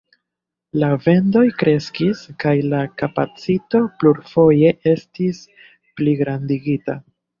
La vendoj kreskis kaj la kapacito plurfoje estis pligrandigita.